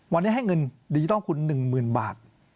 วันนี้ให้เงินดิจิทัลคุณ๑๐๐๐บาท